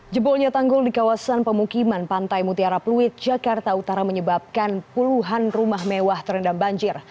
jebolnya tanggul di kawasan pemukiman pantai mutiara pluit jakarta utara menyebabkan puluhan rumah mewah terendam banjir